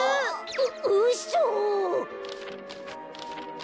ううそ！？